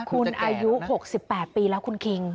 คุณอายุ๖๘ปีแล้วคุณคิง